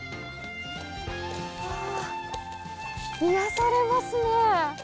あ癒やされますね。